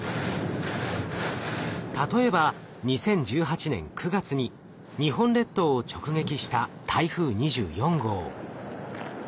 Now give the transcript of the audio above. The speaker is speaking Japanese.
例えば２０１８年９月に日本列島を直撃した台風２４号。